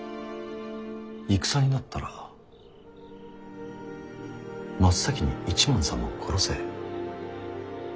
戦になったら真っ先に一幡様を殺せ。